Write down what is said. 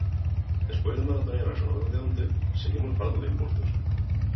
Despois da maratoniana xornada de onte, seguimos falando de impostos.